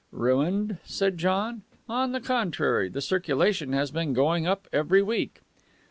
"Ruined?" said John. "On the contrary. The circulation has been going up every week."